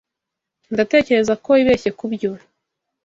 Ndatekereza ko wibeshye kubyo.